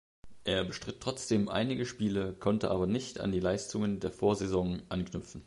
Er bestritt trotzdem einige Spiele, konnte aber nicht an die Leistungen der Vorsaison anknüpfen.